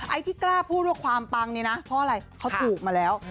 ไอ้ที่กล้าพูดว่าความปังเนี่ยนะเพราะอะไรเขาถูกมาแล้ว